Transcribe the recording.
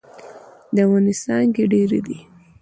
د ونې څانګې ډيرې دې.